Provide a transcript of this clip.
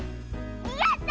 やった！